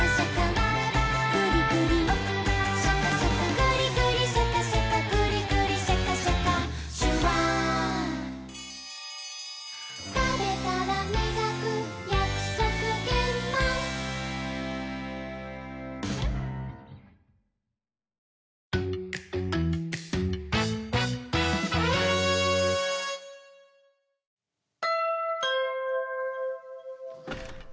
「グリグリシャカシャカグリグリシャカシャカ」「シュワー」「たべたらみがくやくそくげんまん」ピンポン。